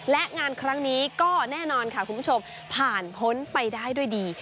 และงานครั้งนี้ก็แน่นอนค่ะคุณผู้ชมผ่านพ้นไปได้ด้วยดี